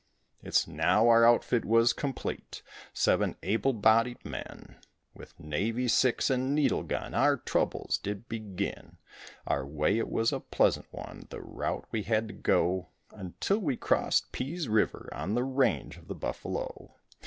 It's now our outfit was complete seven able bodied men, With navy six and needle gun our troubles did begin; Our way it was a pleasant one, the route we had to go, Until we crossed Pease River on the range of the buffalo.